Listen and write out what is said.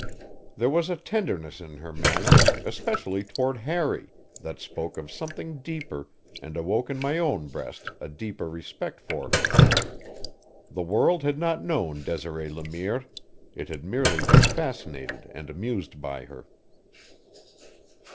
There was a tenderness in her manner, especially toward Harry, that spoke of something deeper and awoke in my own breast a deeper respect for her. The world had not known Desiree Le Mire it had merely been fascinated and amused by her.